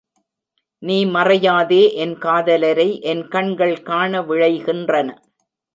நீ மறையாதே என் காதலரை என் கண்கள் காண விழைகின்றன.